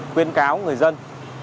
quyến cáo người dân